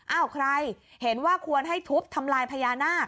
ใครเห็นว่าควรให้ทุบทำลายพญานาค